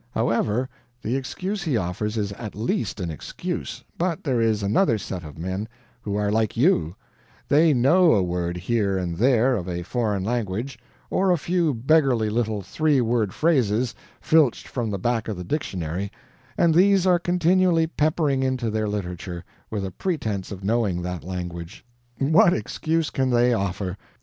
However, the excuse he offers is at least an excuse; but there is another set of men who are like YOU; they know a WORD here and there, of a foreign language, or a few beggarly little three word phrases, filched from the back of the Dictionary, and these are continually peppering into their literature, with a pretense of knowing that language what excuse can they offer?